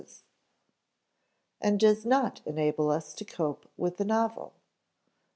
[Sidenote: and does not enable us to cope with the novel,] 2.